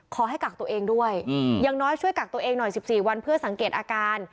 ขอให้กักตัวเองด้วยอย่างน้อยช่วยกักตัวเองหน่อย๑๔วันเพื่อสังเกตอาการ